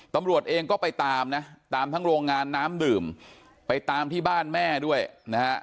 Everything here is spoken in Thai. ตำรวจเองก็ไปตามนะตามทั้งโรงงานน้ำดื่มไปตามที่บ้านแม่ด้วยนะฮะ